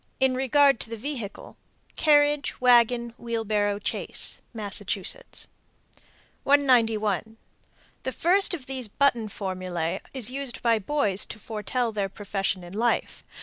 In regard to the vehicle: Carriage, wagon, wheelbarrow, chaise. Massachusetts. 191. The first of these button formulæ is used by boys to foretell their profession in life.